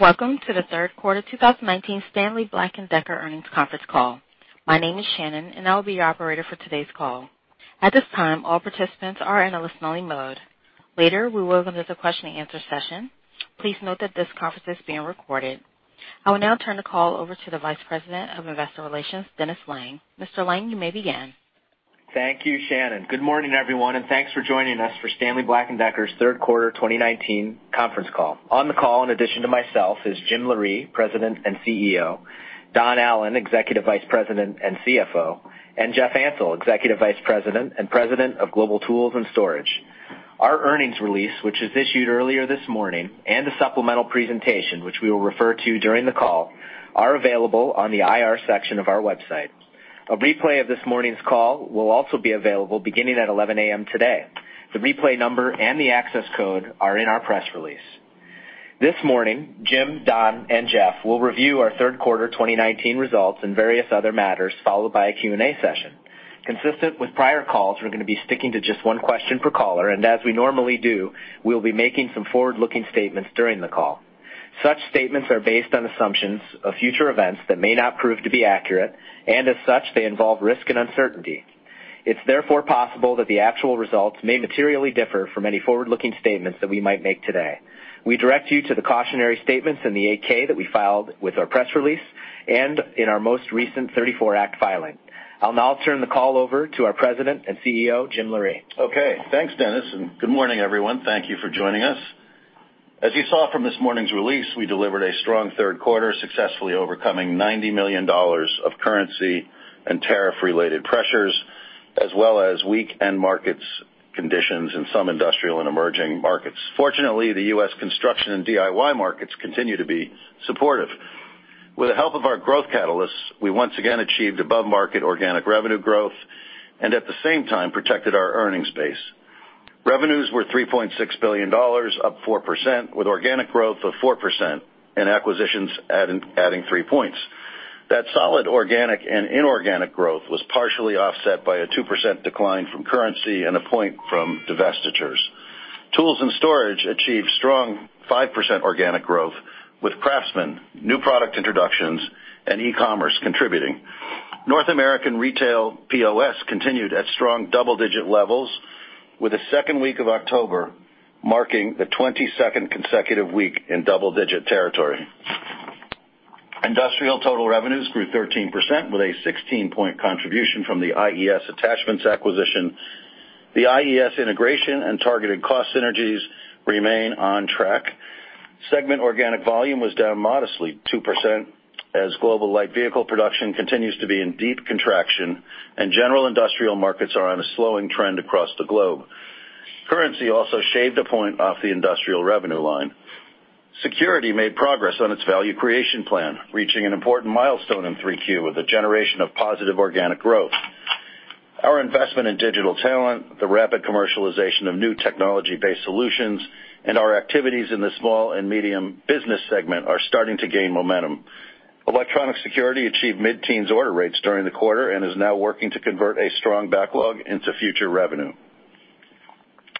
Welcome to the third quarter 2019 Stanley Black & Decker earnings conference call. My name is Shannon, and I will be your operator for today's call. At this time, all participants are in a listening mode. Later, we will go into the question and answer session. Please note that this conference is being recorded. I will now turn the call over to the Vice President of Investor Relations, Dennis Lange. Mr. Lange, you may begin. Thank you, Shannon. Good morning, everyone, and thanks for joining us for Stanley Black & Decker's third quarter 2019 conference call. On the call, in addition to myself, is Jim Loree, President and CEO, Don Allan, Executive Vice President and CFO, and Jeff Ansell, Executive Vice President and President of Global Tools & Storage. Our earnings release, which was issued earlier this morning, and a supplemental presentation, which we will refer to during the call, are available on the IR section of our website. A replay of this morning's call will also be available beginning at 11:00 A.M. today. The replay number and the access code are in our press release. This morning, Jim, Don, and Jeff will review our third quarter 2019 results and various other matters, followed by a Q&A session. Consistent with prior calls, we're going to be sticking to just one question per caller, and as we normally do, we'll be making some forward-looking statements during the call. Such statements are based on assumptions of future events that may not prove to be accurate, and as such, they involve risk and uncertainty. It's therefore possible that the actual results may materially differ from any forward-looking statements that we might make today. We direct you to the cautionary statements in the 8-K that we filed with our press release and in our most recent 34 Act filing. I'll now turn the call over to our President and CEO, Jim Loree. Okay, thanks, Dennis, and good morning, everyone. Thank you for joining us. As you saw from this morning's release, we delivered a strong third quarter, successfully overcoming $90 million of currency and tariff-related pressures, as well as weak end markets conditions in some industrial and emerging markets. Fortunately, the U.S. construction and DIY markets continue to be supportive. With the help of our growth catalysts, we once again achieved above-market organic revenue growth and at the same time protected our earnings base. Revenues were $3.6 billion, up 4%, with organic growth of 4% and acquisitions adding 3 points. That solid organic and inorganic growth was partially offset by a 2% decline from currency and 1 point from divestitures. Global Tools & Storage achieved strong 5% organic growth with CRAFTSMAN, new product introductions, and e-commerce contributing. North American Retail POS continued at strong double-digit levels, with the second week of October marking the 22nd consecutive week in double-digit territory. Industrial total revenues grew 13%, with a 16-point contribution from the IES Attachments acquisition. The IES integration and targeted cost synergies remain on track. Segment organic volume was down modestly 2% as global light vehicle production continues to be in deep contraction and general industrial markets are on a slowing trend across the globe. Currency also shaved 1 point off the industrial revenue line. Security made progress on its value creation plan, reaching an important milestone in Q3 with a generation of positive organic growth. Our investment in digital talent, the rapid commercialization of new technology-based solutions, and our activities in the small and medium business segment are starting to gain momentum. Electronic security achieved mid-teens order rates during the quarter and is now working to convert a strong backlog into future revenue.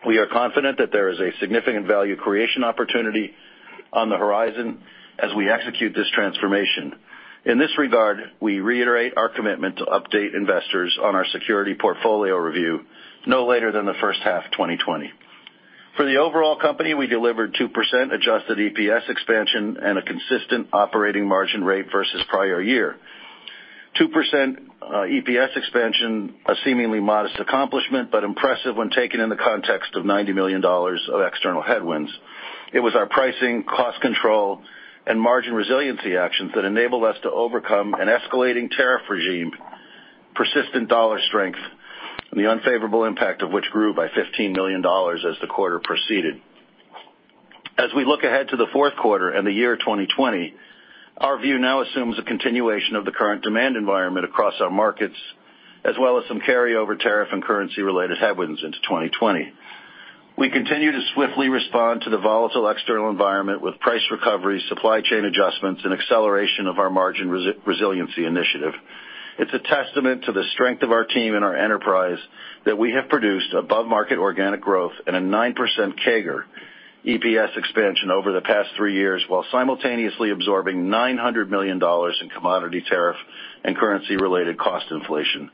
We are confident that there is a significant value creation opportunity on the horizon as we execute this transformation. In this regard, we reiterate our commitment to update investors on our security portfolio review no later than the first half of 2020. For the overall company, we delivered 2% adjusted EPS expansion and a consistent operating margin rate versus prior year. 2% EPS expansion, a seemingly modest accomplishment, but impressive when taken in the context of $90 million of external headwinds. It was our pricing, cost control, and margin resiliency actions that enabled us to overcome an escalating tariff regime, persistent dollar strength, and the unfavorable impact of which grew by $15 million as the quarter proceeded. As we look ahead to the fourth quarter and the year 2020, our view now assumes a continuation of the current demand environment across our markets, as well as some carryover tariff and currency-related headwinds into 2020. We continue to swiftly respond to the volatile external environment with price recovery, supply chain adjustments, and acceleration of our margin resiliency initiative. It's a testament to the strength of our team and our enterprise that we have produced above-market organic growth and a 9% CAGR EPS expansion over the past three years while simultaneously absorbing $900 million in commodity tariff and currency-related cost inflation.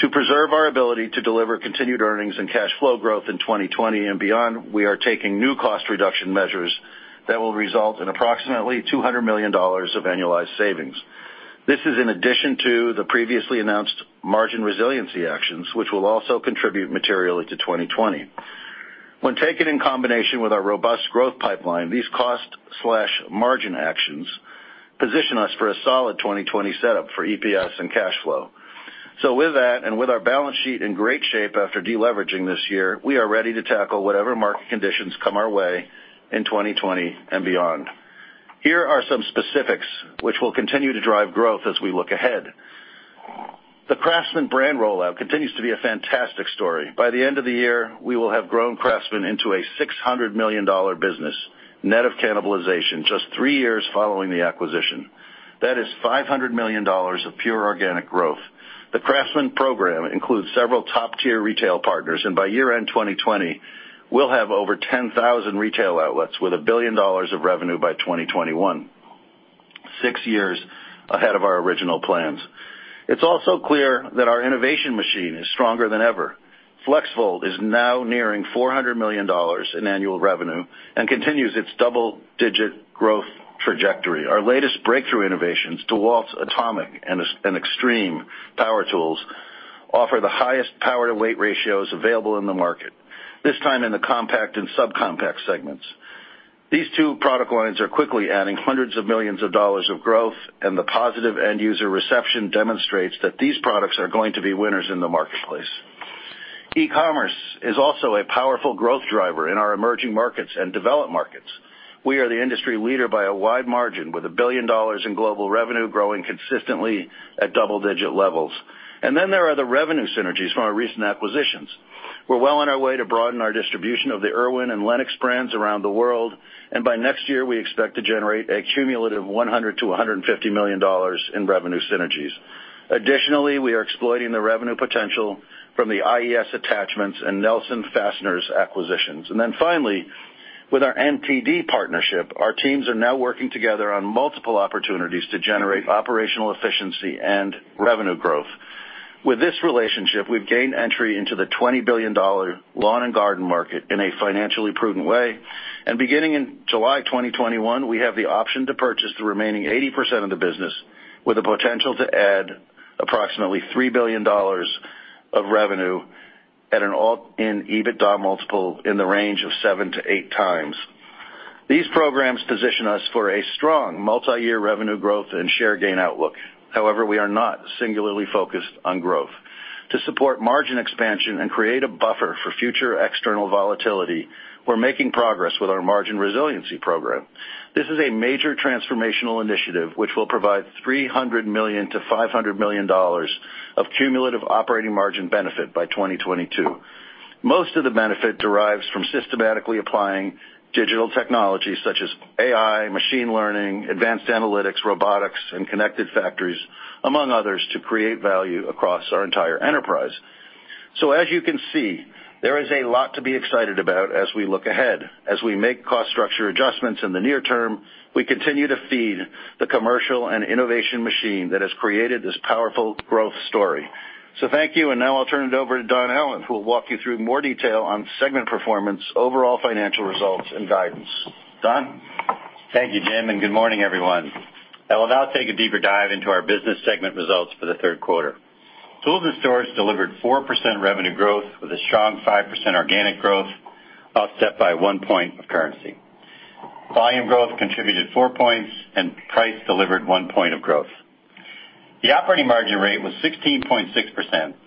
To preserve our ability to deliver continued earnings and cash flow growth in 2020 and beyond, we are taking new cost reduction measures that will result in approximately $200 million of annualized savings. This is in addition to the previously announced margin resiliency actions, which will also contribute materially to 2020. When taken in combination with our robust growth pipeline, these cost/margin actions position us for a solid 2020 setup for EPS and cash flow. With that, and with our balance sheet in great shape after de-leveraging this year, we are ready to tackle whatever market conditions come our way in 2020 and beyond. Here are some specifics which will continue to drive growth as we look ahead. The CRAFTSMAN brand rollout continues to be a fantastic story. By the end of the year, we will have grown CRAFTSMAN into a $600 million business, net of cannibalization, just three years following the acquisition. That is $500 million of pure organic growth. The CRAFTSMAN program includes several top-tier retail partners, and by year-end 2020, we'll have over 10,000 retail outlets with $1 billion of revenue by 2021. Six years ahead of our original plans. It's also clear that our innovation machine is stronger than ever. FLEXVOLT is now nearing $400 million in annual revenue and continues its double-digit growth trajectory. Our latest breakthrough innovations, DEWALT's ATOMIC and XTREME power tools, offer the highest power-to-weight ratios available in the market, this time in the compact and sub-compact segments. These two product lines are quickly adding hundreds of millions of dollars of growth, and the positive end-user reception demonstrates that these products are going to be winners in the marketplace. E-commerce is also a powerful growth driver in our emerging markets and developed markets. We are the industry leader by a wide margin, with $1 billion in global revenue growing consistently at double-digit levels. There are the revenue synergies from our recent acquisitions. We're well on our way to broaden our distribution of the IRWIN and LENOX brands around the world. By next year, we expect to generate a cumulative $100 million-$150 million in revenue synergies. Additionally, we are exploiting the revenue potential from the IES Attachments and Nelson Fasteners acquisitions. Finally, with our MTD partnership, our teams are now working together on multiple opportunities to generate operational efficiency and revenue growth. With this relationship, we've gained entry into the $20 billion lawn and garden market in a financially prudent way. Beginning in July 2021, we have the option to purchase the remaining 80% of the business with the potential to add approximately $3 billion of revenue at an all-in EBITDA multiple in the range of 7 to 8 times. These programs position us for a strong multi-year revenue growth and share gain outlook. However, we are not singularly focused on growth. To support margin expansion and create a buffer for future external volatility, we're making progress with our Margin Resiliency Program. This is a major transformational initiative which will provide $300 million-$500 million of cumulative operating margin benefit by 2022. Most of the benefit derives from systematically applying digital technologies such as AI, machine learning, advanced analytics, robotics, and connected factories, among others, to create value across our entire enterprise. As you can see, there is a lot to be excited about as we look ahead. As we make cost structure adjustments in the near term, we continue to feed the commercial and innovation machine that has created this powerful growth story. Thank you, now I'll turn it over to Don Allan, who will walk you through more detail on segment performance, overall financial results, and guidance. Don? Thank you, Jim. Good morning, everyone. I will now take a deeper dive into our business segment results for the third quarter. Tools and Storage delivered 4% revenue growth with a strong 5% organic growth, offset by one point of currency. Volume growth contributed four points, and price delivered one point of growth. The operating margin rate was 16.6%,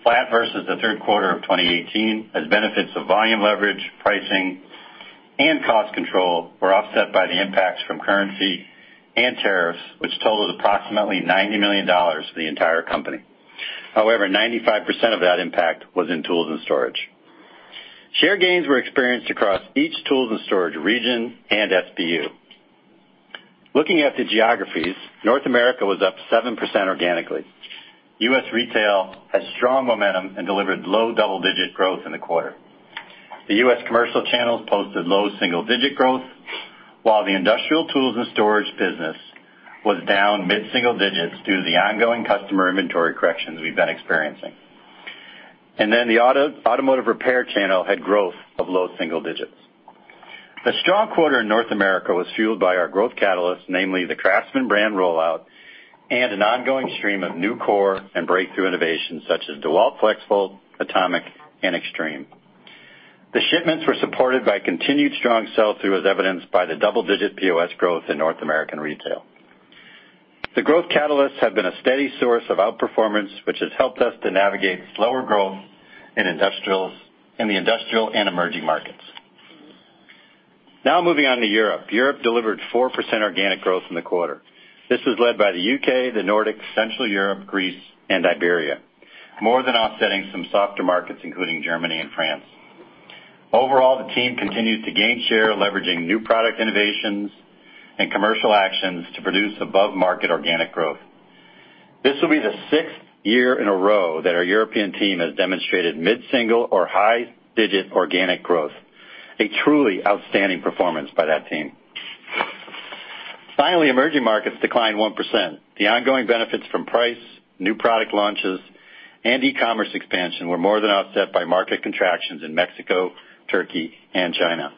flat versus the third quarter of 2018, as benefits of volume leverage, pricing, and cost control were offset by the impacts from currency and tariffs, which totaled approximately $90 million for the entire company. However, 95% of that impact was in Tools and Storage. Share gains were experienced across each Tools and Storage region and SBU. Looking at the geographies, North America was up 7% organically. U.S. retail had strong momentum and delivered low double-digit growth in the quarter. The U.S. commercial channels posted low single-digit growth, while the industrial tools and storage business was down mid-single digits due to the ongoing customer inventory corrections we've been experiencing. The automotive repair channel had growth of low single digits. A strong quarter in North America was fueled by our growth catalyst, namely the CRAFTSMAN brand rollout and an ongoing stream of new core and breakthrough innovations such as DEWALT FLEXVOLT, ATOMIC, and XTREME. The shipments were supported by continued strong sell-through, as evidenced by the double-digit POS growth in North American retail. The growth catalysts have been a steady source of outperformance, which has helped us to navigate slower growth in the industrial and emerging markets. Moving on to Europe. Europe delivered 4% organic growth in the quarter. This was led by the U.K., the Nordics, Central Europe, Greece, and Iberia, more than offsetting some softer markets, including Germany and France. Overall, the team continues to gain share, leveraging new product innovations and commercial actions to produce above-market organic growth. This will be the sixth year in a row that our European team has demonstrated mid-single or high-digit organic growth. A truly outstanding performance by that team. Finally, emerging markets declined 1%. The ongoing benefits from price, new product launches, and e-commerce expansion were more than offset by market contractions in Mexico, Turkey, and China.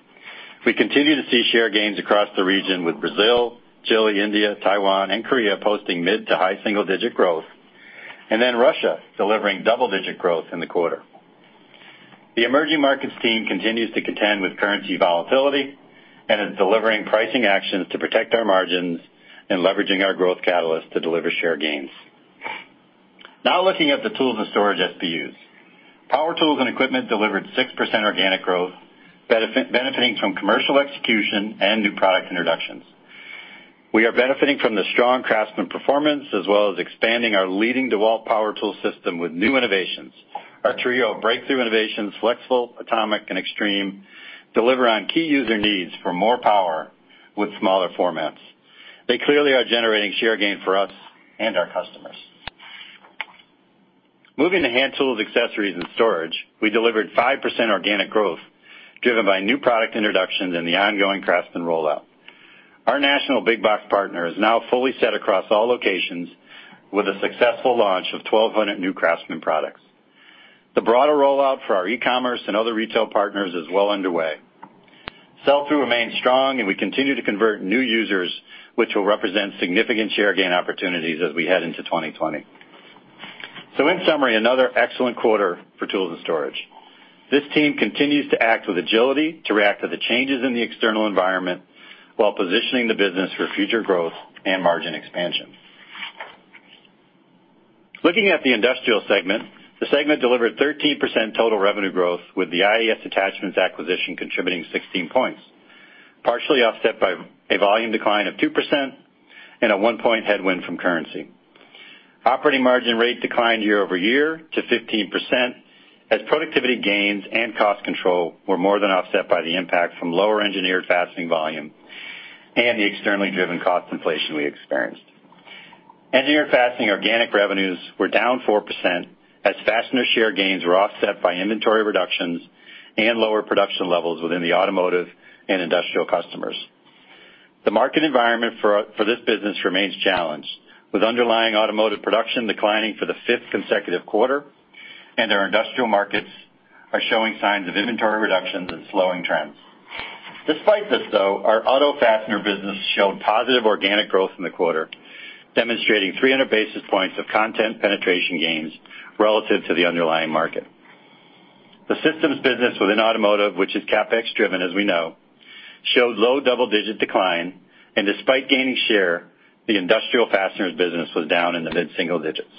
We continue to see share gains across the region with Brazil, Chile, India, Taiwan, and Korea posting mid to high single-digit growth, Russia delivering double-digit growth in the quarter. The emerging markets team continues to contend with currency volatility and is delivering pricing actions to protect our margins and leveraging our growth catalyst to deliver share gains. Looking at the tools and storage SBUs. Power tools and equipment delivered 6% organic growth, benefiting from commercial execution and new product introductions. We are benefiting from the strong CRAFTSMAN performance, as well as expanding our leading DEWALT power tool system with new innovations. Our trio of breakthrough innovations, FLEXVOLT, ATOMIC, and XTREME, deliver on key user needs for more power with smaller formats. They clearly are generating share gain for us and our customers. Moving to Hand Tools, Accessories and Storage, we delivered 5% organic growth, driven by new product introductions and the ongoing CRAFTSMAN rollout. Our national big box partner is now fully set across all locations with a successful launch of 1,200 new CRAFTSMAN products. The broader rollout for our e-commerce and other retail partners is well underway. Sell-through remains strong, we continue to convert new users, which will represent significant share gain opportunities as we head into 2020. In summary, another excellent quarter for Global Tools & Storage. This team continues to act with agility to react to the changes in the external environment, while positioning the business for future growth and margin expansion. Looking at the Industrial segment, the segment delivered 13% total revenue growth, with the IES Attachments acquisition contributing 16 points, partially offset by a volume decline of 2% and a one-point headwind from currency. Operating margin rate declined year-over-year to 15% as productivity gains and cost control were more than offset by the impact from lower engineered fastening volume and the externally driven cost inflation we experienced. Engineered fastening organic revenues were down 4% as fastener share gains were offset by inventory reductions and lower production levels within the automotive and industrial customers. The market environment for this business remains challenged, with underlying automotive production declining for the fifth consecutive quarter and our industrial markets are showing signs of inventory reductions and slowing trends. Despite this, though, our auto fastener business showed positive organic growth in the quarter, demonstrating 300 basis points of content penetration gains relative to the underlying market. The systems business within automotive, which is CapEx driven, as we know, showed low double-digit decline, and despite gaining share, the industrial fasteners business was down in the mid-single digits.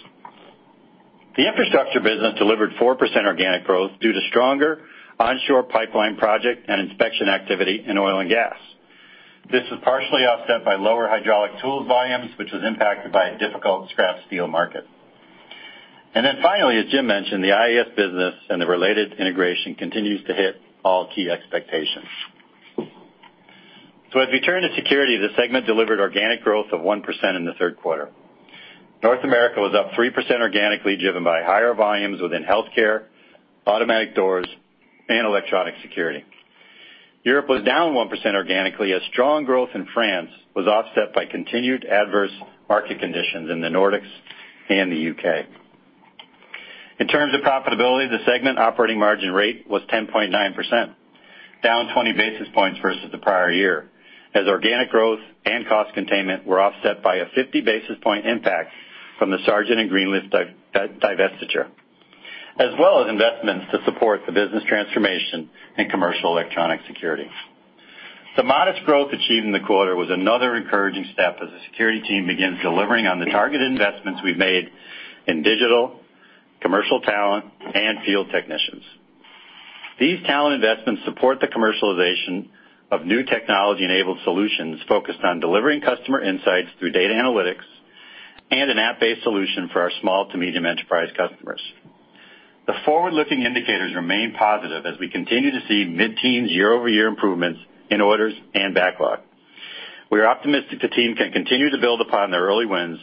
The infrastructure business delivered 4% organic growth due to stronger onshore pipeline project and inspection activity in oil and gas. This was partially offset by lower hydraulic tool volumes, which was impacted by a difficult scrap steel market. Finally, as Jim mentioned, the IES business and the related integration continues to hit all key expectations. As we turn to Security, the segment delivered organic growth of 1% in the third quarter. North America was up 3% organically, driven by higher volumes within healthcare, automatic doors, and electronic security. Europe was down 1% organically, as strong growth in France was offset by continued adverse market conditions in the Nordics and the U.K. In terms of profitability, the segment operating margin rate was 10.9%, down 20 basis points versus the prior year, as organic growth and cost containment were offset by a 50-basis-point impact from the Sargent and Greenleaf divestiture, as well as investments to support the business transformation in commercial electronic security. The modest growth achieved in the quarter was another encouraging step as the Security team begins delivering on the targeted investments we've made in digital, commercial talent, and field technicians. These talent investments support the commercialization of new technology-enabled solutions focused on delivering customer insights through data analytics and an app-based solution for our small-to-medium enterprise customers. The forward-looking indicators remain positive as we continue to see mid-teens year-over-year improvements in orders and backlog. We are optimistic the team can continue to build upon their early wins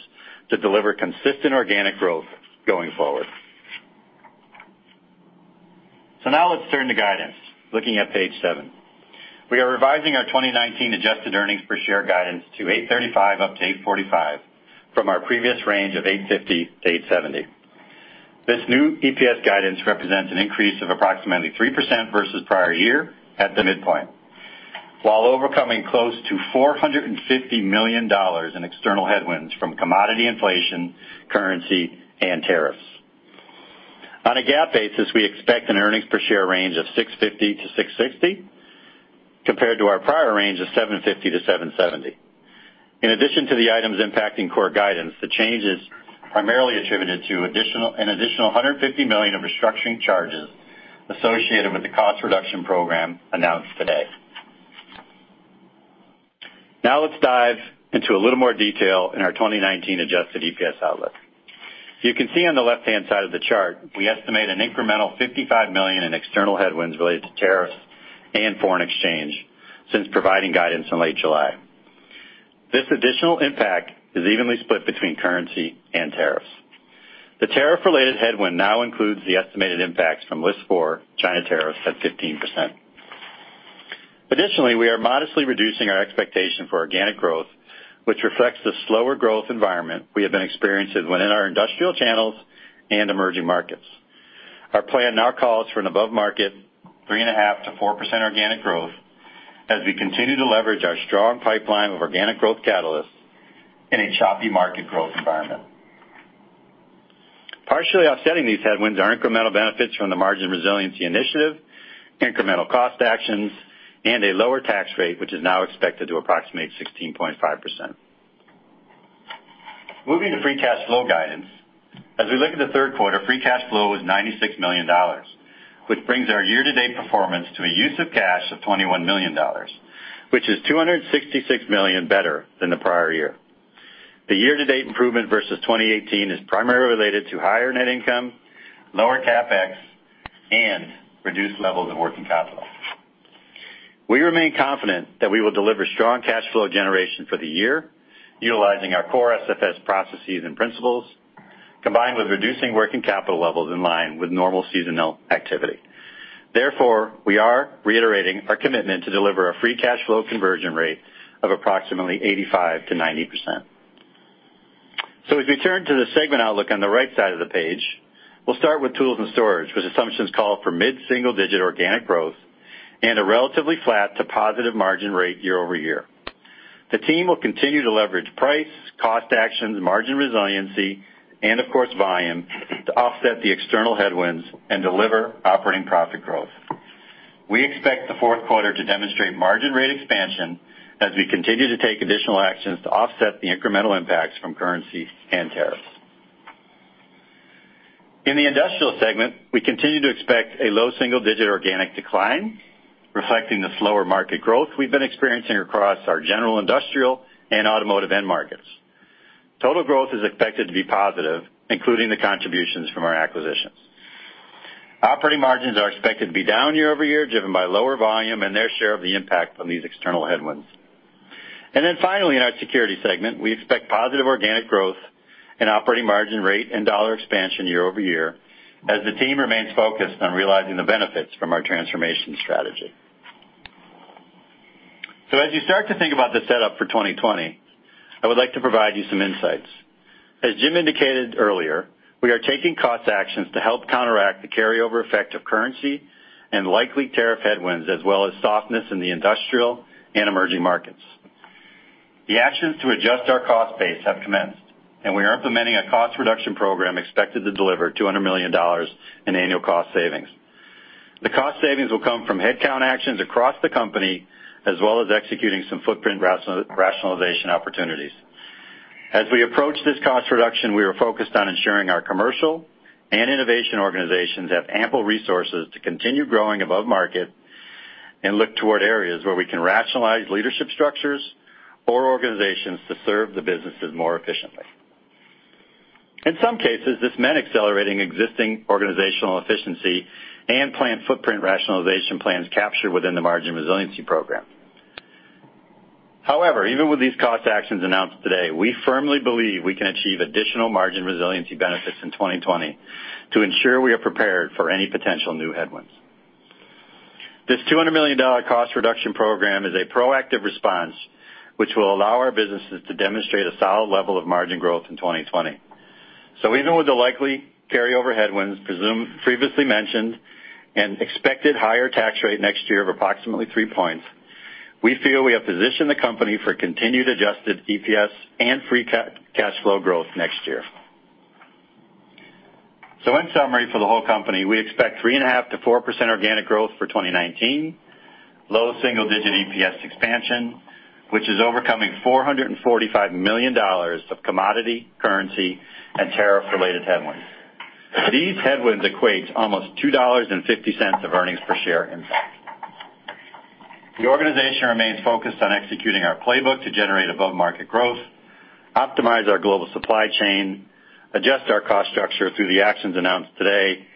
to deliver consistent organic growth going forward. Now let's turn to guidance, looking at page seven. We are revising our 2019 adjusted earnings per share guidance to $8.35-$8.45 from our previous range of $8.50-$8.70. This new EPS guidance represents an increase of approximately 3% versus prior year at the midpoint, while overcoming close to $450 million in external headwinds from commodity inflation, currency, and tariffs. On a GAAP basis, we expect an earnings per share range of $6.50 to $6.60, compared to our prior range of $7.50 to $7.70. In addition to the items impacting core guidance, the change is primarily attributed to an additional $150 million of restructuring charges associated with the cost reduction program announced today. Let's dive into a little more detail in our 2019 adjusted EPS outlook. You can see on the left-hand side of the chart, we estimate an incremental $55 million in external headwinds related to tariffs and foreign exchange since providing guidance in late July. This additional impact is evenly split between currency and tariffs. The tariff-related headwind now includes the estimated impacts from List 4 China tariffs at 15%. We are modestly reducing our expectation for organic growth, which reflects the slower growth environment we have been experiencing within our industrial channels and emerging markets. Our plan now calls for an above-market 3.5%-4% organic growth as we continue to leverage our strong pipeline of organic growth catalysts in a choppy market growth environment. Partially offsetting these headwinds are incremental benefits from the margin resiliency initiative, incremental cost actions, and a lower tax rate, which is now expected to approximate 16.5%. Moving to free cash flow guidance. As we look at the third quarter, free cash flow was $96 million, which brings our year-to-date performance to a use of cash of $21 million, which is $266 million better than the prior year. The year-to-date improvement versus 2018 is primarily related to higher net income, lower CapEx, and reduced levels of working capital. We remain confident that we will deliver strong cash flow generation for the year utilizing our core SFS processes and principles, combined with reducing working capital levels in line with normal seasonal activity. Therefore, we are reiterating our commitment to deliver a free cash flow conversion rate of approximately 85%-90%. As we turn to the segment outlook on the right side of the page, we'll start with Tools & Storage, which assumptions call for mid-single-digit organic growth and a relatively flat to positive margin rate year-over-year. The team will continue to leverage price, cost actions, margin resiliency, and of course, volume, to offset the external headwinds and deliver operating profit growth. We expect the fourth quarter to demonstrate margin rate expansion as we continue to take additional actions to offset the incremental impacts from currency and tariffs. In the industrial segment, we continue to expect a low single-digit organic decline, reflecting the slower market growth we've been experiencing across our general industrial and automotive end markets. Total growth is expected to be positive, including the contributions from our acquisitions. Operating margins are expected to be down year-over-year, driven by lower volume and their share of the impact from these external headwinds. Finally, in our security segment, we expect positive organic growth and operating margin rate and dollar expansion year-over-year as the team remains focused on realizing the benefits from our transformation strategy. As you start to think about the setup for 2020, I would like to provide you some insights. As Jim indicated earlier, we are taking cost actions to help counteract the carryover effect of currency and likely tariff headwinds, as well as softness in the industrial and emerging markets. The actions to adjust our cost base have commenced, and we are implementing a cost reduction program expected to deliver $200 million in annual cost savings. The cost savings will come from headcount actions across the company, as well as executing some footprint rationalization opportunities. As we approach this cost reduction, we are focused on ensuring our commercial and innovation organizations have ample resources to continue growing above market and look toward areas where we can rationalize leadership structures or organizations to serve the businesses more efficiently. In some cases, this meant accelerating existing organizational efficiency and plant footprint rationalization plans captured within the Margin Resiliency Program. Even with these cost actions announced today, we firmly believe we can achieve additional margin resiliency benefits in 2020 to ensure we are prepared for any potential new headwinds. This $200 million cost reduction program is a proactive response, which will allow our businesses to demonstrate a solid level of margin growth in 2020. Even with the likely carryover headwinds presumed previously mentioned, and expected higher tax rate next year of approximately three points, we feel we have positioned the company for continued adjusted EPS and free cash flow growth next year. In summary, for the whole company, we expect 3.5%-4% organic growth for 2019, low single-digit EPS expansion, which is overcoming $445 million of commodity, currency, and tariff-related headwinds. These headwinds equates almost $2.50 of earnings per share impact. The organization remains focused on executing our playbook to generate above-market growth, optimize our global supply chain, adjust our cost structure through the actions announced today,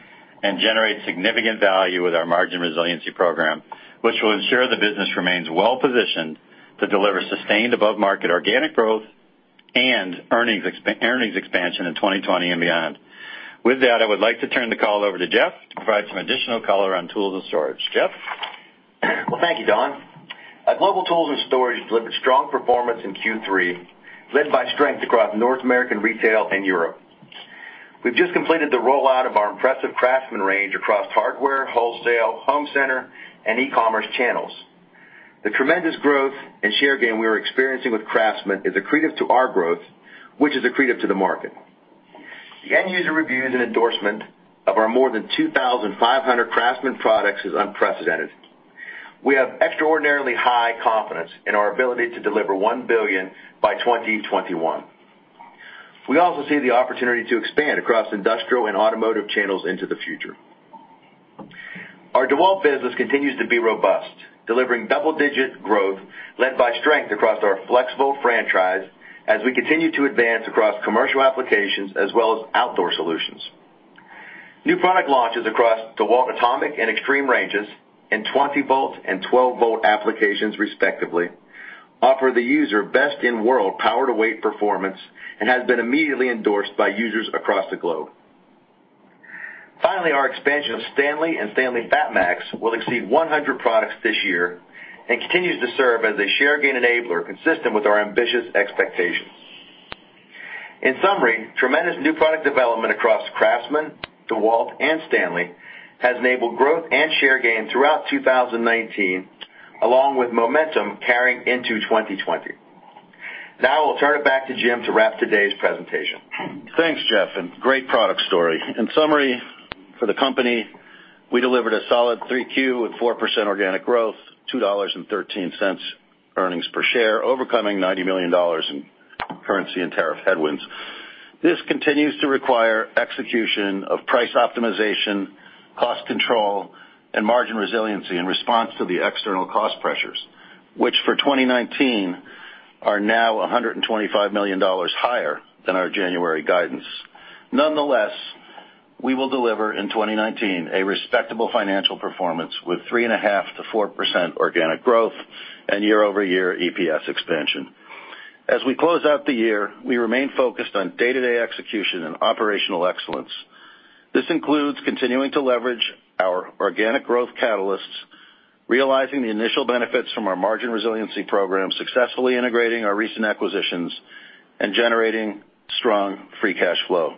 and generate significant value with our margin resiliency program, which will ensure the business remains well-positioned to deliver sustained above-market organic growth and earnings expansion in 2020 and beyond. With that, I would like to turn the call over to Jeff to provide some additional color on tools and storage. Jeff? Well, thank you, Don. Our Global Tools & Storage delivered strong performance in Q3, led by strength across North American retail and Europe. We've just completed the rollout of our impressive CRAFTSMAN range across hardware, wholesale, home center, and e-commerce channels. The tremendous growth and share gain we are experiencing with CRAFTSMAN is accretive to our growth, which is accretive to the market. The end-user reviews and endorsement of our more than 2,500 CRAFTSMAN products is unprecedented. We have extraordinarily high confidence in our ability to deliver $1 billion by 2021. We also see the opportunity to expand across industrial and automotive channels into the future. Our DEWALT business continues to be robust, delivering double-digit growth led by strength across our FLEXVOLT franchise as we continue to advance across commercial applications as well as outdoor solutions. New product launches across DEWALT ATOMIC and XTREME ranges in 20 volt and 12 volt applications respectively offer the user best-in-world power-to-weight performance and has been immediately endorsed by users across the globe. Our expansion of STANLEY and STANLEY FATMAX will exceed 100 products this year and continues to serve as a share gain enabler consistent with our ambitious expectations. Tremendous new product development across CRAFTSMAN, DEWALT, and STANLEY has enabled growth and share gain throughout 2019, along with momentum carrying into 2020. I will turn it back to Jim to wrap today's presentation. Thanks, Jeff. Great product story. In summary, for the company, we delivered a solid 3Q with 4% organic growth, $2.13 EPS, overcoming $90 million in currency and tariff headwinds. This continues to require execution of price optimization, cost control, and margin resiliency in response to the external cost pressures, which for 2019 are now $125 million higher than our January guidance. Nonetheless We will deliver in 2019 a respectable financial performance with 3.5%-4% organic growth and year-over-year EPS expansion. As we close out the year, we remain focused on day-to-day execution and operational excellence. This includes continuing to leverage our organic growth catalysts, realizing the initial benefits from our margin resiliency program, successfully integrating our recent acquisitions, and generating strong free cash flow.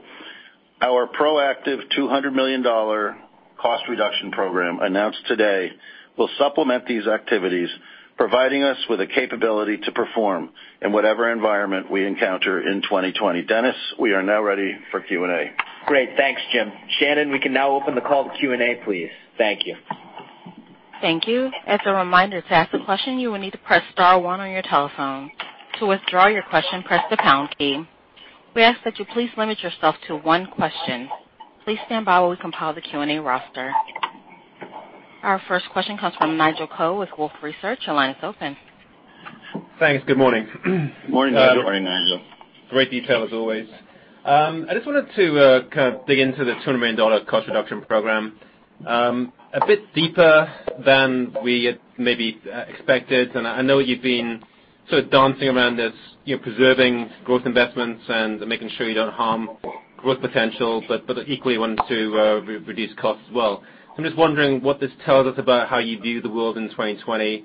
Our proactive $200 million cost reduction program announced today will supplement these activities, providing us with the capability to perform in whatever environment we encounter in 2020. Dennis, we are now ready for Q&A. Great. Thanks, Jim. Shannon, we can now open the call to Q&A, please. Thank you. Thank you. As a reminder, to ask a question, you will need to press star one on your telephone. To withdraw your question, press the pound key. We ask that you please limit yourself to one question. Please stand by while we compile the Q&A roster. Our first question comes from Nigel Coe with Wolfe Research. Your line is open. Thanks. Good morning. Good morning, Nigel. Good morning, Nigel. Great detail as always. I just wanted to kind of dig into the $200 million cost reduction program. A bit deeper than we had maybe expected, and I know you've been sort of dancing around this, preserving growth investments and making sure you don't harm growth potential, but equally want to reduce costs as well. I'm just wondering what this tells us about how you view the world in 2020,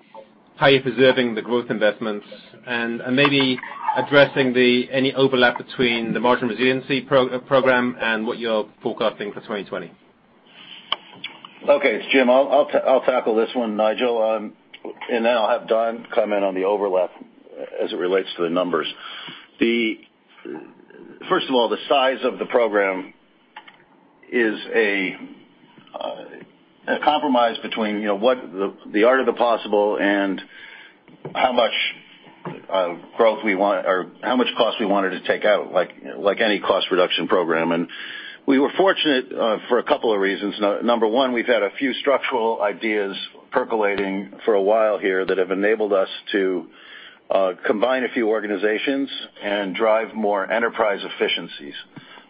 how you're preserving the growth investments, and maybe addressing any overlap between the margin resiliency program and what you're forecasting for 2020. Okay. It's Jim. I'll tackle this one, Nigel. Then I'll have Don come in on the overlap as it relates to the numbers. First of all, the size of the program is a compromise between the art of the possible and how much growth we want or how much cost we wanted to take out, like any cost reduction program. We were fortunate for a couple of reasons. Number one, we've had a few structural ideas percolating for a while here that have enabled us to combine a few organizations and drive more enterprise efficiencies.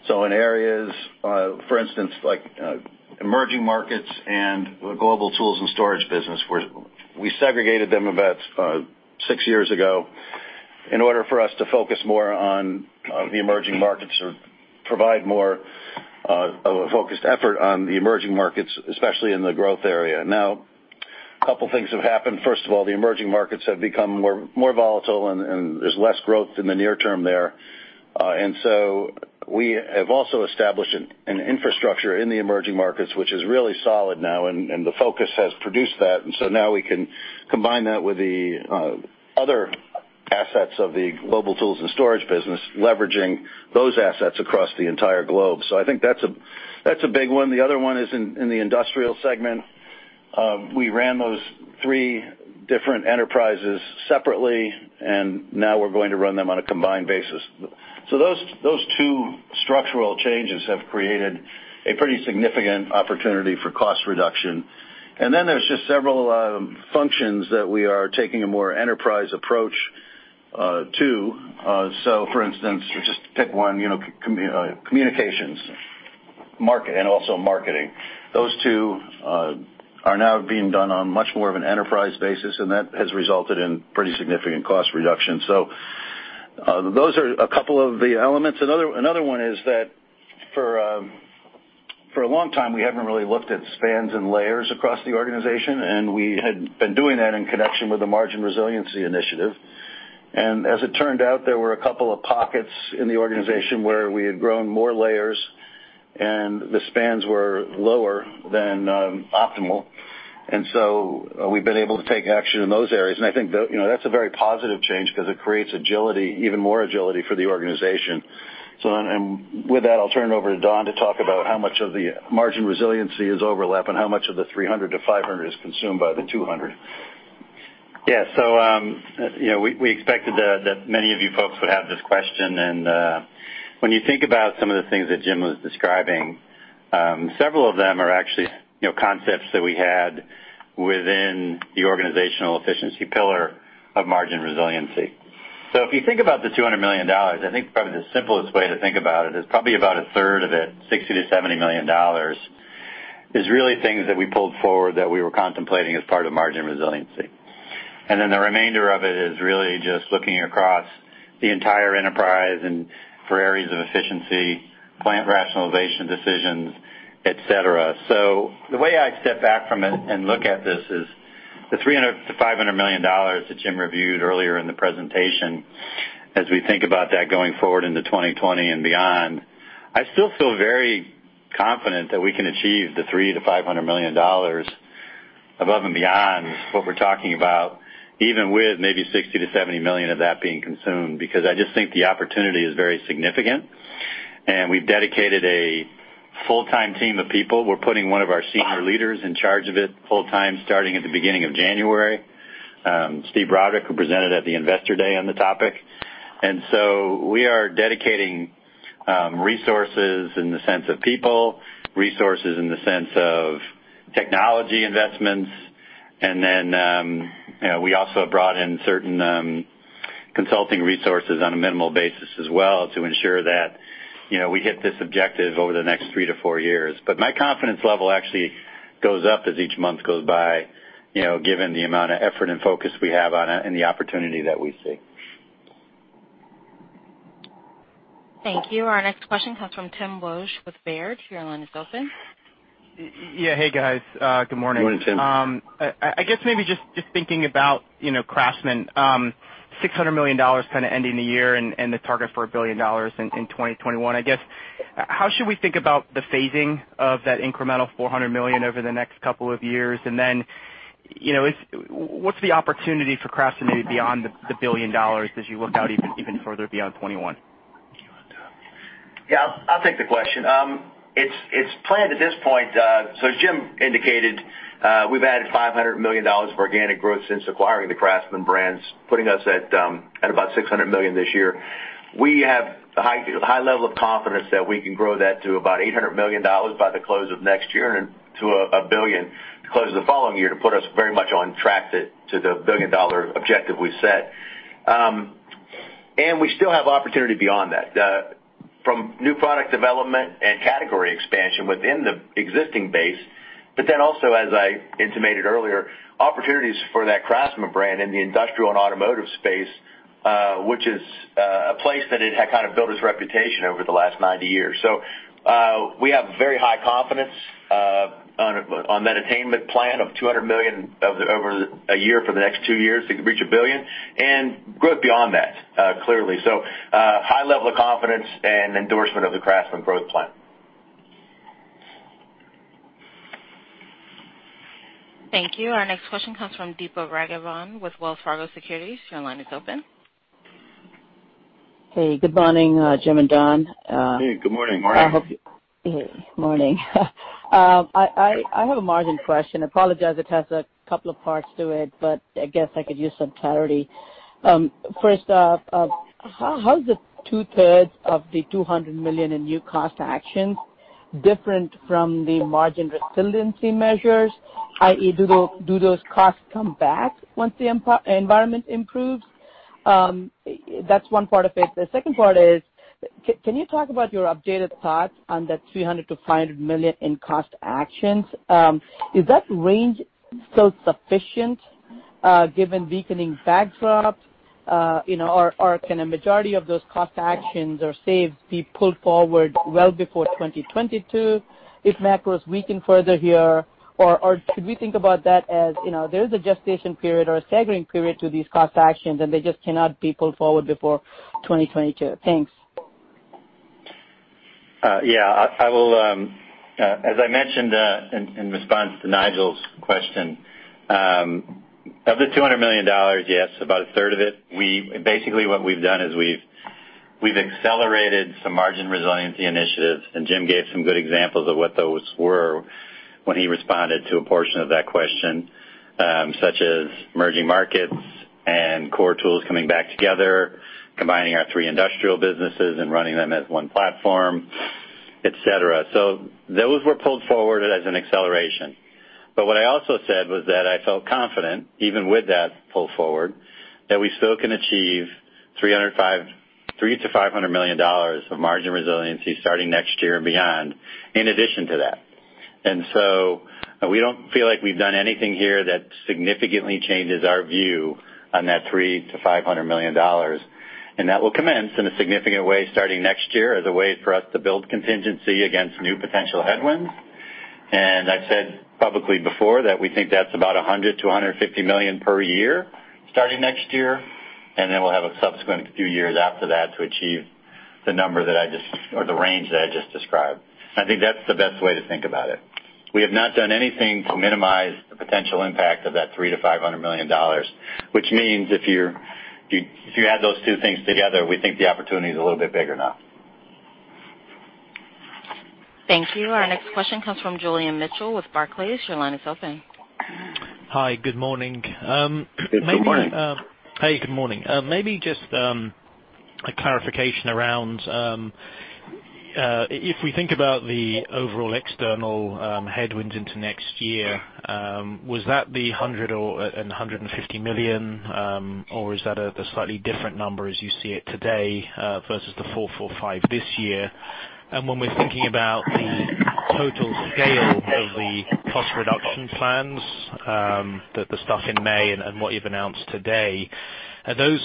In areas, for instance, like emerging markets and the Global Tools & Storage business, we segregated them about six years ago in order for us to focus more on the emerging markets or provide more of a focused effort on the emerging markets, especially in the growth area. Couple things have happened. First of all, the emerging markets have become more volatile, and there's less growth in the near term there. We have also established an infrastructure in the emerging markets, which is really solid now, and the focus has produced that. Now we can combine that with the other assets of the Global Tools & Storage business, leveraging those assets across the entire globe. I think that's a big one. The other one is in the industrial segment. We ran those three different enterprises separately, and now we're going to run them on a combined basis. Those two structural changes have created a pretty significant opportunity for cost reduction. Then there's just several functions that we are taking a more enterprise approach to. For instance, just to pick one, communications and also marketing. Those two are now being done on much more of an enterprise basis. That has resulted in pretty significant cost reduction. Those are a couple of the elements. Another one is that for a long time, we haven't really looked at spans and layers across the organization. We had been doing that in connection with the Margin Resiliency Initiative. As it turned out, there were a couple of pockets in the organization where we had grown more layers. The spans were lower than optimal. We've been able to take action in those areas. I think that's a very positive change because it creates agility, even more agility for the organization. With that, I'll turn it over to Don to talk about how much of the margin resiliency is overlapping, how much of the 300-500 is consumed by the 200. We expected that many of you folks would have this question. When you think about some of the things that Jim was describing, several of them are actually concepts that we had within the organizational efficiency pillar of Margin Resiliency. If you think about the $200 million, I think probably the simplest way to think about it is probably about a third of it, $60 million-$70 million, is really things that we pulled forward that we were contemplating as part of Margin Resiliency. The remainder of it is really just looking across the entire enterprise and for areas of efficiency, plant rationalization decisions, et cetera. The way I step back from it and look at this is the $300 million-$500 million that Jim reviewed earlier in the presentation, as we think about that going forward into 2020 and beyond, I still feel very confident that we can achieve the $300 million-$500 million above and beyond what we're talking about, even with maybe $60 million-$70 million of that being consumed, because I just think the opportunity is very significant, and we've dedicated a full-time team of people. We're putting one of our senior leaders in charge of it full-time starting at the beginning of January, Steve Brodrick, who presented at the Investor Day on the topic. We are dedicating resources in the sense of people, resources in the sense of technology investments, and then we also brought in certain consulting resources on a minimal basis as well to ensure that we hit this objective over the next three to four years. My confidence level actually goes up as each month goes by, given the amount of effort and focus we have on it and the opportunity that we see. Thank you. Our next question comes from Tim Wojs with Baird. Your line is open. Yeah. Hey, guys. Good morning. Good morning, Tim. I guess maybe just thinking about CRAFTSMAN, $600 million kind of ending the year and the target for $1 billion in 2021. I guess, how should we think about the phasing of that incremental $400 million over the next couple of years? What's the opportunity for CRAFTSMAN maybe beyond the $1 billion as you look out even further beyond 2021? You want to Yeah, I'll take the question. It's planned at this point. As Jim indicated, we've added $500 million of organic growth since acquiring the CRAFTSMAN brands, putting us at about $600 million this year. We have a high level of confidence that we can grow that to about $800 million by the close of next year and to $1 billion the close of the following year to put us very much on track to the billion-dollar objective we've set. We still have opportunity beyond that. From new product development and category expansion within the existing base, but then also, as I intimated earlier, opportunities for that CRAFTSMAN brand in the industrial and automotive space, which is a place that it had kind of built its reputation over the last 90 years. We have very high confidence on that attainment plan of $200 million over a year for the next two years to reach $1 billion and grow it beyond that, clearly. High level of confidence and endorsement of the CRAFTSMAN growth plan. Thank you. Our next question comes from Deepa Raghavan with Wells Fargo Securities. Your line is open. Hey, good morning, Jim and Don. Hey, good morning. Morning. Morning. I have a margin question. Apologize, it has a couple of parts to it, but I guess I could use some clarity. First up, how is the two-thirds of the $200 million in new cost actions different from the margin resiliency measures? i.e., do those costs come back once the environment improves? That's one part of it. The second part is, can you talk about your updated thoughts on that $300 million-$500 million in cost actions? Is that range still sufficient given weakening backdrop? Can a majority of those cost actions or saves be pulled forward well before 2022 if macros weaken further here? Should we think about that as there is a gestation period or a staggering period to these cost actions, and they just cannot be pulled forward before 2022? Thanks. Yeah. As I mentioned in response to Nigel's question, of the $200 million, yes, about a third of it, basically what we've done is we've accelerated some margin resiliency initiatives, and Jim gave some good examples of what those were when he responded to a portion of that question, such as emerging markets and core tools coming back together, combining our three industrial businesses and running them as one platform, et cetera. Those were pulled forward as an acceleration. What I also said was that I felt confident, even with that pull forward, that we still can achieve $300 million to $500 million of margin resiliency starting next year and beyond, in addition to that. We don't feel like we've done anything here that significantly changes our view on that $300 million to $500 million. That will commence in a significant way starting next year as a way for us to build contingency against new potential headwinds. I've said publicly before that we think that's about $100 million-$150 million per year starting next year, and then we'll have a subsequent few years after that to achieve the number or the range that I just described. I think that's the best way to think about it. We have not done anything to minimize the potential impact of that $300 million-$500 million, which means if you add those two things together, we think the opportunity is a little bit bigger now. Thank you. Our next question comes from Julian Mitchell with Barclays. Your line is open. Hi, good morning. Good morning. Hey, good morning. Maybe just a clarification around, if we think about the overall external headwinds into next year, was that the $100 million or $150 million, or is that a slightly different number as you see it today versus the $445 million this year? When we're thinking about the total scale of the cost reduction plans that the stuff in May and what you've announced today, are those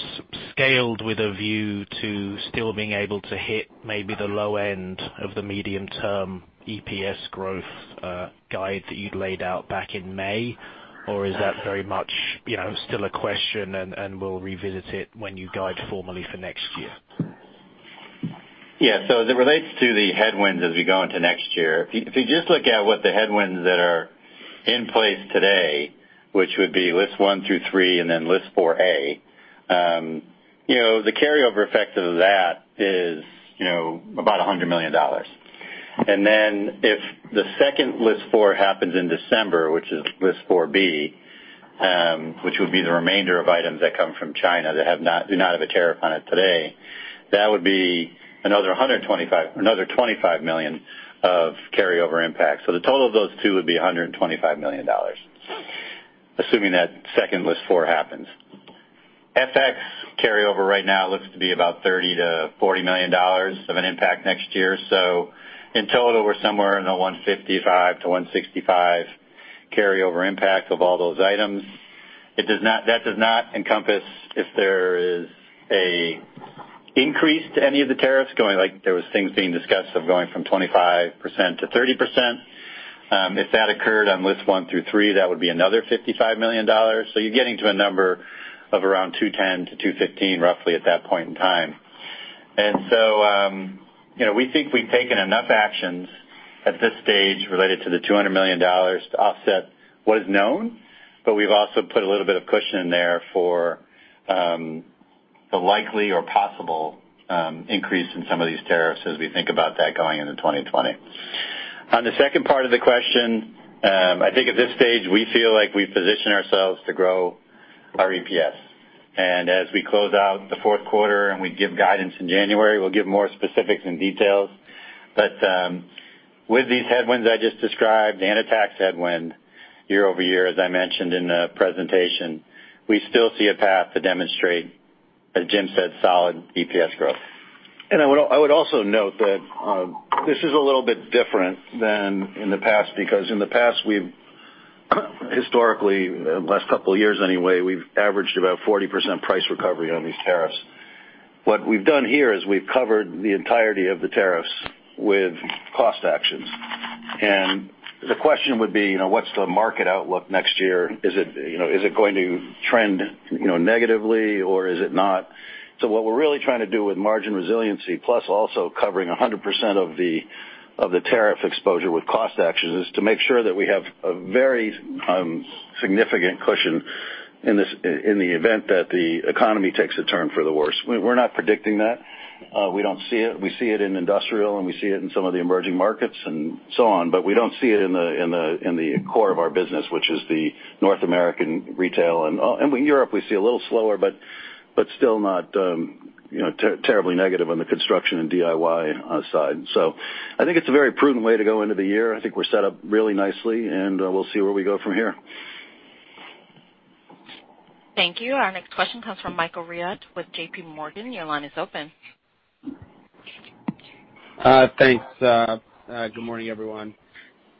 scaled with a view to still being able to hit maybe the low end of the medium-term EPS growth guide that you'd laid out back in May? Is that very much still a question, and we'll revisit it when you guide formally for next year? Yeah. As it relates to the headwinds as we go into next year, if you just look at what the headwinds that are in place today, which would be List 1 through 3 and then List 4A, the carryover effect of that is about $100 million. If the second List 4 happens in December, which is List 4B, which would be the remainder of items that come from China that do not have a tariff on it today, that would be another $25 million of carryover impact. The total of those 2 would be $125 million, assuming that second List 4 happens. FX carryover right now looks to be about $30 million-$40 million of an impact next year. In total, we're somewhere in the $155 million-$165 million carryover impact of all those items. That does not encompass if there is an increase to any of the tariffs going, like there was things being discussed of going from 25% to 30%. If that occurred on List 1 through 3, that would be another $55 million. You're getting to a number of around 210 to 215 roughly at that point in time. We think we've taken enough actions at this stage related to the $200 million to offset what is known. We've also put a little bit of cushion in there for the likely or possible increase in some of these tariffs as we think about that going into 2020. On the second part of the question, I think at this stage, we feel like we've positioned ourselves to grow our EPS. As we close out the fourth quarter, and we give guidance in January, we'll give more specifics and details. With these headwinds I just described and a tax headwind year-over-year, as I mentioned in the presentation, we still see a path to demonstrate, as Jim said, solid EPS growth. I would also note that this is a little bit different than in the past, because in the past, we've historically, the last couple of years anyway, we've averaged about 40% price recovery on these tariffs. What we've done here is we've covered the entirety of the tariffs with cost actions. The question would be, what's the market outlook next year? Is it going to trend negatively or is it not? What we're really trying to do with margin resiliency, plus also covering 100% of the tariff exposure with cost actions, is to make sure that we have a very significant cushion in the event that the economy takes a turn for the worse. We're not predicting that. We don't see it. We see it in industrial, and we see it in some of the emerging markets and so on, but we don't see it in the core of our business, which is the North American retail. In Europe, we see a little slower, but still not terribly negative on the construction and DIY side. I think it's a very prudent way to go into the year. I think we're set up really nicely, and we'll see where we go from here. Thank you. Our next question comes from Michael Rehaut with JPMorgan. Your line is open. Thanks. Good morning, everyone.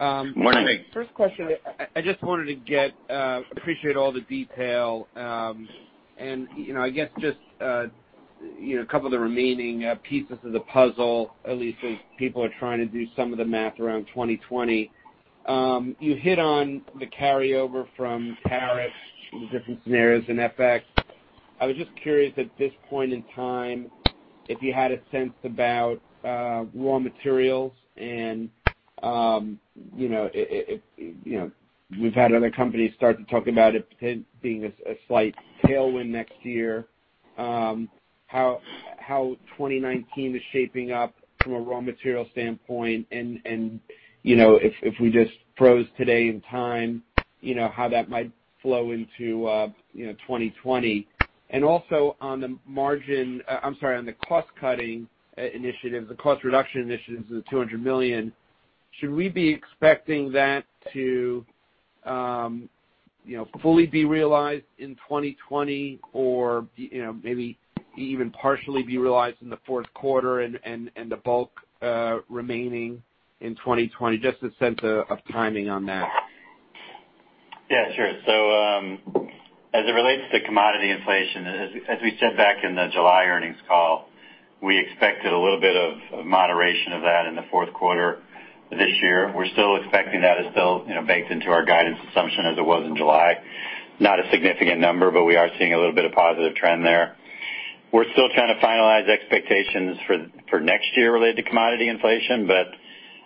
Morning. Morning. First question. I appreciate all the detail. I guess just a couple of the remaining pieces of the puzzle, at least as people are trying to do some of the math around 2020. You hit on the carryover from tariffs and the different scenarios in FX. I was just curious at this point in time, if you had a sense about raw materials. We've had other companies start to talk about it being a slight tailwind next year. How 2019 is shaping up from a raw material standpoint, if we just froze today in time, how that might flow into 2020. Also on the cost reduction initiatives of the $200 million, should we be expecting that to fully be realized in 2020, or maybe even partially be realized in the fourth quarter and the bulk remaining in 2020? Just a sense of timing on that. Yeah, sure. As it relates to commodity inflation, as we said back in the July earnings call, we expected a little bit of moderation of that in the fourth quarter this year. We're still expecting that. It's still baked into our guidance assumption as it was in July. Not a significant number, but we are seeing a little bit of positive trend there. We're still trying to finalize expectations for next year related to commodity inflation, but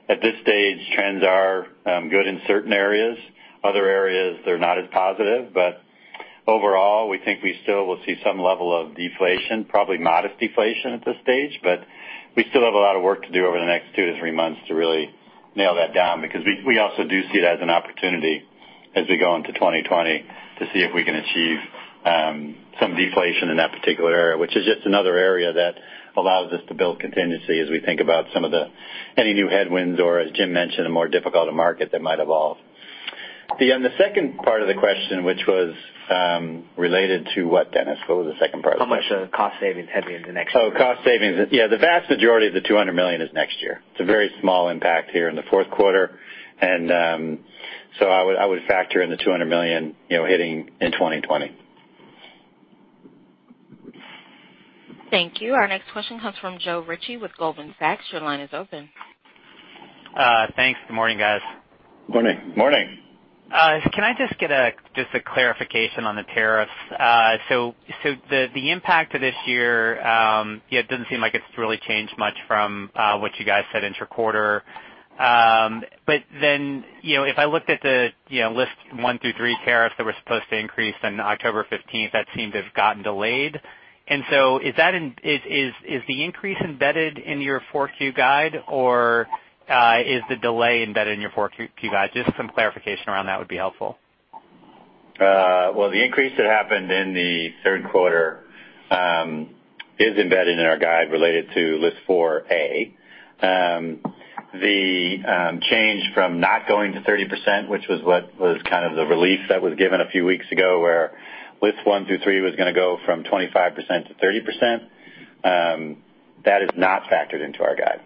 at this stage, trends are good in certain areas. Other areas, they're not as positive. Overall, we think we still will see some level of deflation, probably modest deflation at this stage. We still have a lot of work to do over the next two to three months to really nail that down, because we also do see it as an opportunity as we go into 2020 to see if we can achieve some deflation in that particular area, which is just another area that allows us to build contingency as we think about any new headwinds or, as Jim mentioned, a more difficult market that might evolve. On the second part of the question, which was related to what, Dennis? What was the second part of the question? How much of the cost savings heading into next year? Oh, cost savings. Yeah, the vast majority of the $200 million is next year. It's a very small impact here in the fourth quarter. I would factor in the $200 million hitting in 2020. Thank you. Our next question comes from Joe Ritchie with Goldman Sachs. Your line is open. Thanks. Good morning, guys. Morning. Morning. Can I just get a clarification on the tariffs? The impact to this year, yeah, it doesn't seem like it's really changed much from what you guys said inter-quarter. If I looked at the List 1 through 3 tariffs that were supposed to increase on October 15th, that seemed to have gotten delayed. Is the increase embedded in your 4Q guide, or is the delay embedded in your 4Q guide? Just some clarification around that would be helpful. Well, the increase that happened in the third quarter is embedded in our guide related to List 4A. The change from not going to 30%, which was what was kind of the relief that was given a few weeks ago, where List one through three was going to go from 25% to 30%, that is not factored into our guide.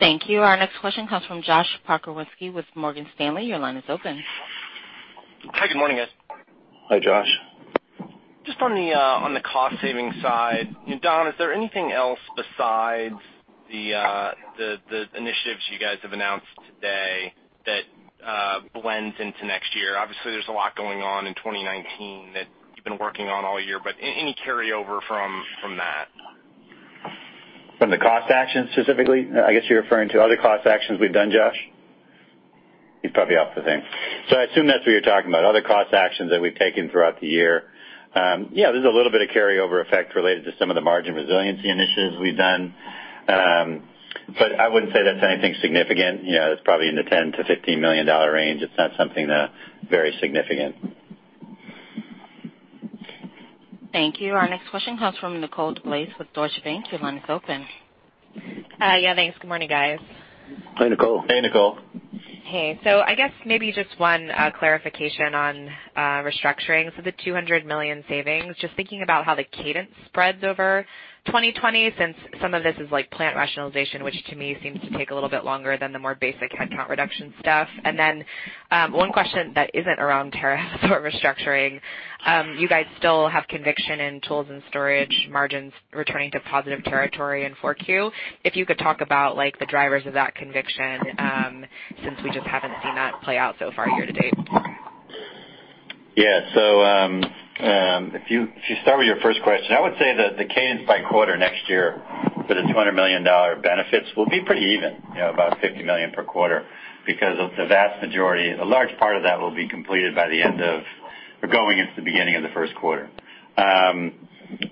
Thank you. Our next question comes from Josh Pokrzywinski with Morgan Stanley. Your line is open. Hi, good morning, guys. Hi, Josh. Just on the cost-saving side, Don, is there anything else besides the initiatives you guys have announced today that blends into next year? Obviously, there's a lot going on in 2019 that you've been working on all year, but any carryover from that? From the cost actions specifically? I guess you're referring to other cost actions we've done, Josh? You're probably off the thing. I assume that's what you're talking about, other cost actions that we've taken throughout the year. Yeah, there's a little bit of carryover effect related to some of the margin resiliency initiatives we've done. I wouldn't say that's anything significant. It's probably in the $10 million-$15 million range. It's not something very significant. Thank you. Our next question comes from Nicole DeBlase with Deutsche Bank. Your line is open. Yeah, thanks. Good morning, guys. Hi, Nicole. Hey, Nicole. Hey. I guess maybe just one clarification on restructuring. The $200 million savings, just thinking about how the cadence spreads over 2020, since some of this is plant rationalization, which to me seems to take a little bit longer than the more basic headcount reduction stuff. One question that isn't around tariffs or restructuring, you guys still have conviction in Tools & Storage margins returning to positive territory in 4Q. If you could talk about the drivers of that conviction, since we just haven't seen that play out so far year-to-date. Yeah. If you start with your first question, I would say that the cadence by quarter next year for the $200 million benefits will be pretty even, about $50 million per quarter because of the vast majority. A large part of that will be completed by the end of or going into the beginning of the first quarter.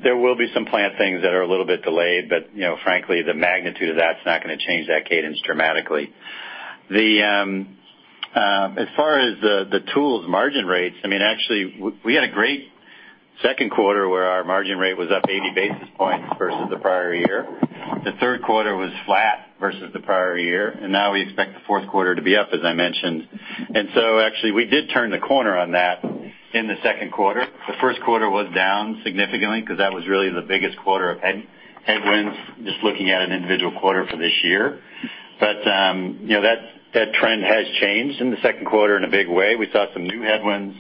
There will be some plant things that are a little bit delayed, but frankly, the magnitude of that's not going to change that cadence dramatically. As far as the Tools margin rates, actually, we had a great second quarter where our margin rate was up 80 basis points versus the prior year. The third quarter was flat versus the prior year. Now we expect the fourth quarter to be up, as I mentioned. Actually, we did turn the corner on that in the second quarter. The first quarter was down significantly because that was really the biggest quarter of headwinds, just looking at an individual quarter for this year. That trend has changed in the second quarter in a big way. We saw some new headwinds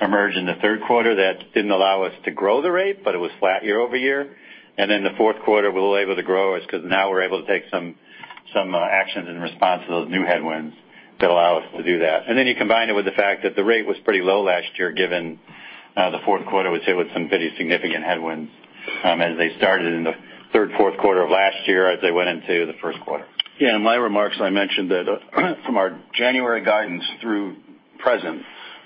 emerge in the third quarter that didn't allow us to grow the rate, but it was flat year-over-year. The fourth quarter, we'll label the grow is because now we're able to take some actions in response to those new headwinds that allow us to do that. You combine it with the fact that the rate was pretty low last year, given the fourth quarter, we'd say, with some pretty significant headwinds as they started in the third, fourth quarter of last year, as they went into the first quarter. Yeah, in my remarks, I mentioned that from our January guidance through present,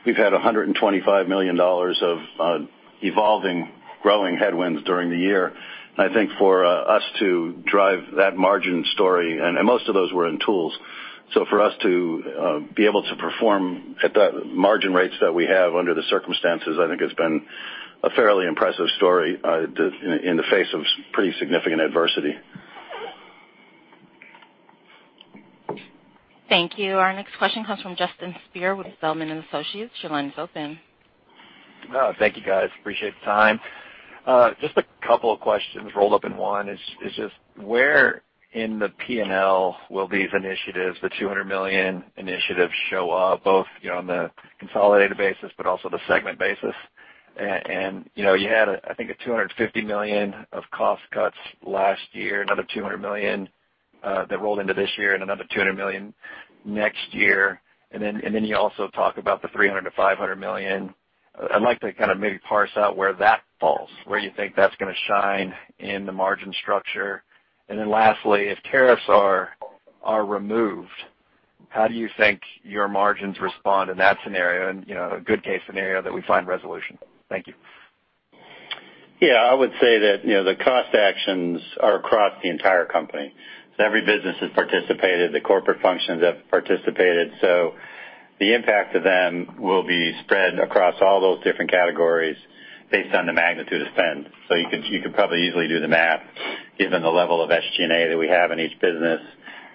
we've had $125 million of evolving, growing headwinds during the year. I think for us to drive that margin story, and most of those were in tools. For us to be able to perform at the margin rates that we have under the circumstances, I think has been a fairly impressive story in the face of pretty significant adversity. Thank you. Our next question comes from Justin Speer with Zelman & Associates. Your line is open. Thank you, guys. Appreciate the time. Just a couple of questions rolled up in one is just where in the P&L will these initiatives, the $200 million initiatives show up, both on the consolidated basis but also the segment basis? You had, I think, a $250 million of cost cuts last year, another $200 million that rolled into this year and another $200 million next year. You also talk about the $300 million-$500 million. I'd like to kind of maybe parse out where that falls, where you think that's going to shine in the margin structure. Lastly, if tariffs are removed, how do you think your margins respond in that scenario? In a good case scenario that we find resolution. Thank you. Yeah, I would say that the cost actions are across the entire company. Every business has participated, the corporate functions have participated. The impact of them will be spread across all those different categories based on the magnitude of spend. You could probably easily do the math given the level of SG&A that we have in each business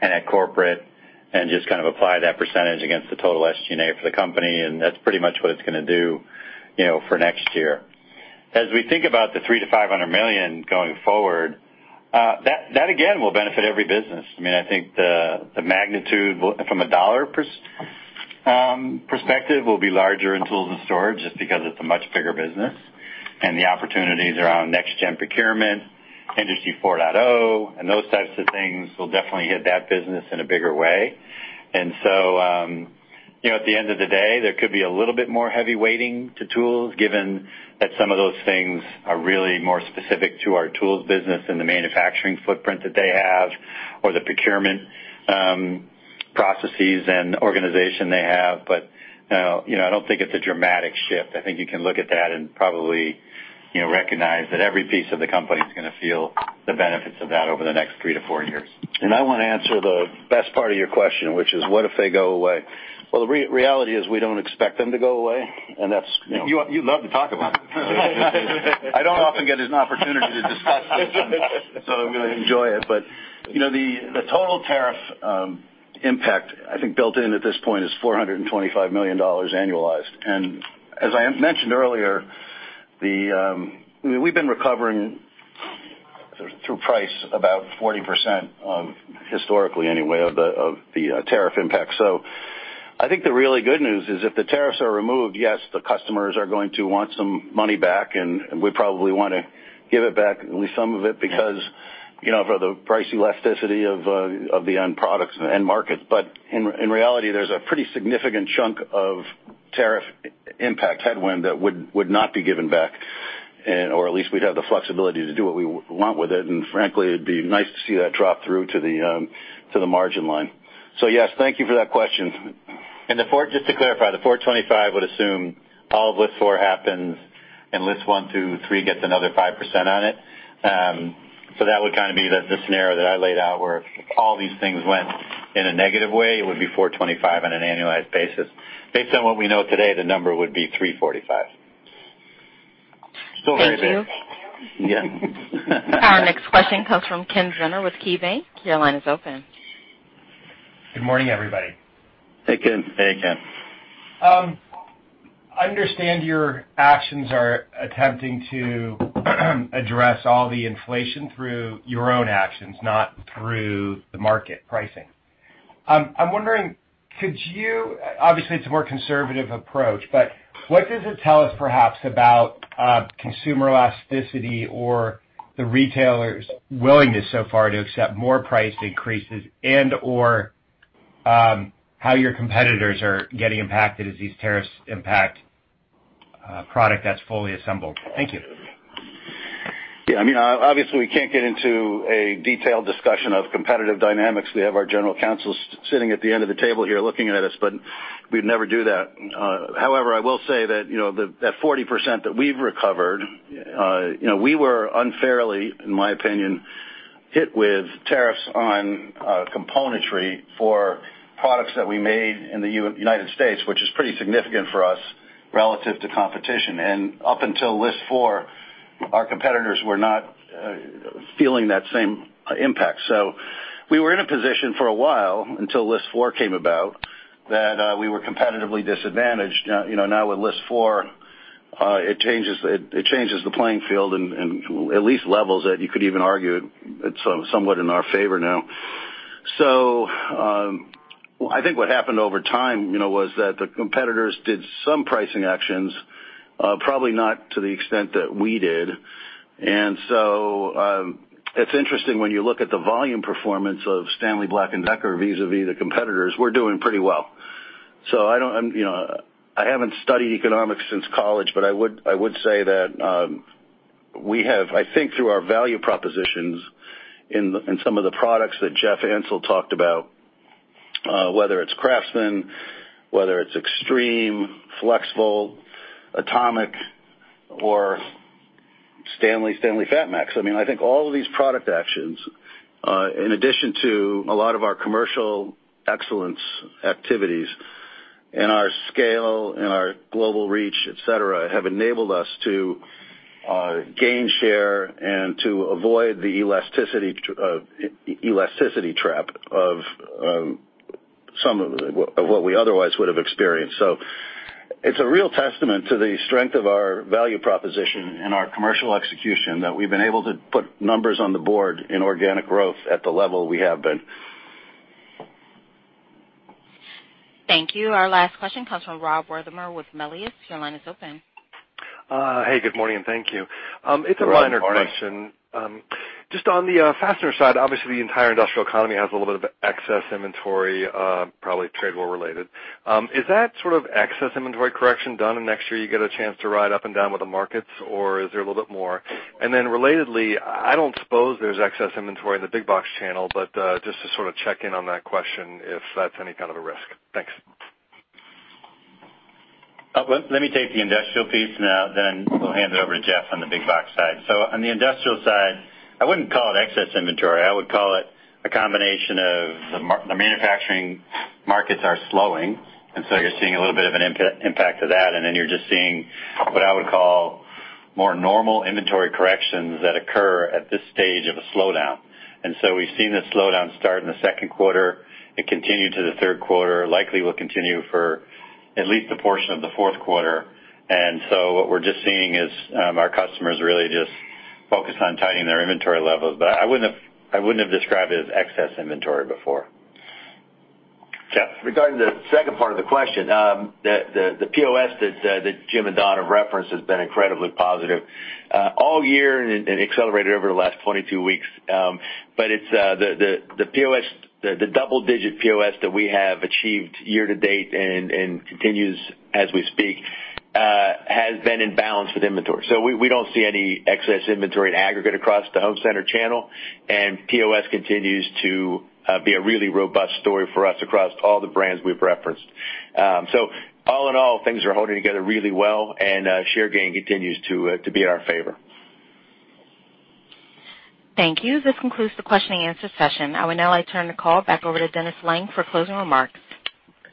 and at corporate, and just kind of apply that percentage against the total SG&A for the company, and that's pretty much what it's going to do for next year. As we think about the $300 million-$500 million going forward, that again, will benefit every business. I think the magnitude from a dollar perspective will be larger in Global Tools & Storage just because it's a much bigger business, and the opportunities around next-gen procurement, Industry 4.0, and those types of things will definitely hit that business in a bigger way. At the end of the day, there could be a little bit more heavy weighting to Tools, given that some of those things are really more specific to our Tools business and the manufacturing footprint that they have or the procurement processes and organization they have. I don't think it's a dramatic shift. I think you can look at that and probably recognize that every piece of the company is going to feel the benefits of that over the next three to four years. I want to answer the best part of your question, which is what if they go away? The reality is we don't expect them to go away. You love to talk about it. I don't often get an opportunity to discuss this, so I'm going to enjoy it. The total tariff impact, I think, built in at this point is $425 million annualized. As I mentioned earlier, we've been recovering through price about 40% of, historically anyway, of the tariff impact. I think the really good news is if the tariffs are removed, yes, the customers are going to want some money back, and we probably want to give it back, at least some of it, because for the price elasticity of the end products and the end markets. In reality, there's a pretty significant chunk of tariff impact headwind that would not be given back, or at least we'd have the flexibility to do what we want with it. Frankly, it'd be nice to see that drop through to the margin line. yes, thank you for that question. Just to clarify, the $425 would assume all of List 4 happens and List 1, 2, 3 gets another 5% on it. That would kind of be the scenario that I laid out where if all these things went in a negative way, it would be $425 on an annualized basis. Based on what we know today, the number would be $345. Still very big. Thank you. Yeah. Our next question comes from Kenneth Zener with KeyBanc. Your line is open. Good morning, everybody. Hey, Ken. Hey, Ken. Understand your actions are attempting to address all the inflation through your own actions, not through the market pricing. I'm wondering, obviously, it's a more conservative approach, but what does it tell us perhaps about consumer elasticity or the retailer's willingness so far to accept more price increases and/or how your competitors are getting impacted as these tariffs impact product that's fully assembled? Thank you. Obviously, we can't get into a detailed discussion of competitive dynamics. We have our general counsel sitting at the end of the table here looking at us, but we'd never do that. However, I will say that that 40% that we've recovered, we were unfairly, in my opinion, hit with tariffs on componentry for products that we made in the United States, which is pretty significant for us relative to competition. Up until List 4, our competitors were not feeling that same impact. We were in a position for a while, until List 4 came about, that we were competitively disadvantaged. With List 4, it changes the playing field and at least levels it. You could even argue it's somewhat in our favor now. I think what happened over time was that the competitors did some pricing actions, probably not to the extent that we did. It's interesting when you look at the volume performance of Stanley Black & Decker vis-a-vis the competitors, we're doing pretty well. I haven't studied economics since college, but I would say that we have, I think through our value propositions in some of the products that Jeff Ansell talked about, whether it's CRAFTSMAN, whether it's XTREME, FLEXVOLT, ATOMIC, or STANLEY FATMAX. I think all of these product actions, in addition to a lot of our commercial excellence activities and our scale and our global reach, et cetera, have enabled us to gain share and to avoid the elasticity trap of some of what we otherwise would have experienced. It's a real testament to the strength of our value proposition and our commercial execution that we've been able to put numbers on the board in organic growth at the level we have been. Thank you. Our last question comes from Rob Wertheimer with Melius. Your line is open. Hey, good morning, and thank you. It's a minor question. Good morning. Just on the fastener side, obviously, the entire industrial economy has a little bit of excess inventory, probably trade war related. Is that sort of excess inventory correction done, and next year you get a chance to ride up and down with the markets, or is there a little bit more? Relatedly, I don't suppose there's excess inventory in the big box channel, but just to sort of check in on that question, if that's any kind of a risk. Thanks. Let me take the industrial piece, and then we'll hand it over to Jeff on the big box side. On the industrial side, I wouldn't call it excess inventory. I would call it a combination of the manufacturing markets are slowing, and so you're seeing a little bit of an impact of that, and then you're just seeing what I would call more normal inventory corrections that occur at this stage of a slowdown. We've seen this slowdown start in the second quarter. It continued to the third quarter, likely will continue for at least a portion of the fourth quarter. What we're just seeing is our customers really just focus on tightening their inventory levels. I wouldn't have described it as excess inventory before. Jeff. Regarding the second part of the question, the POS that Jim and Don have referenced has been incredibly positive all year and accelerated over the last 22 weeks. The double-digit POS that we have achieved year to date and continues as we speak, has been in balance with inventory. We don't see any excess inventory in aggregate across the home center channel, and POS continues to be a really robust story for us across all the brands we've referenced. All in all, things are holding together really well, and share gain continues to be in our favor. Thank you. This concludes the question and answer session. I will now turn the call back over to Dennis Lange for closing remarks.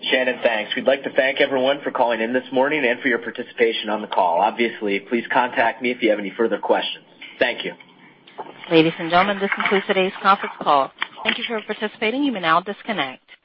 Shannon, thanks. We'd like to thank everyone for calling in this morning and for your participation on the call. Please contact me if you have any further questions. Thank you. Ladies and gentlemen, this concludes today's conference call. Thank you for participating. You may now disconnect.